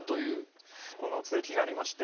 この続きがありまして。